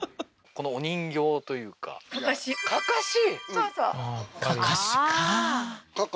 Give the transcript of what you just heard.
このお人形というか案山子？